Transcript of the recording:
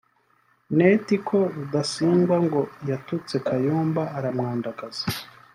net ko Rudasingwa ngo yatutse Kayumba aramwandagaza